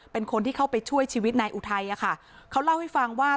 เป็นคนที่เข้าไปช่วยชีวิตนายอุทัยอะค่ะเขาเล่าให้ฟังว่า